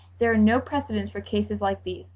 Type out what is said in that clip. There are no precedents for cases like these .